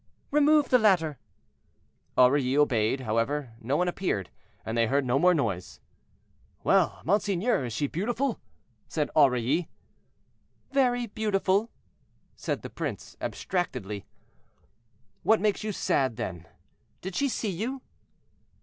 "Remove the ladder." Aurilly obeyed; however, no one appeared, and they heard no more noise. "Well, monseigneur, is she beautiful?" said Aurilly. "Very beautiful," said the prince, abstractedly. "What makes you sad then? Did she see you?"